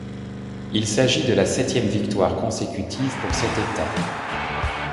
Il s'agit de la septième victoire consécutive pour cet état.